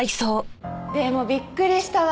でもびっくりしたわ。